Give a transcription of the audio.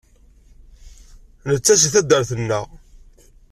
Netta seg taddart-nneɣ.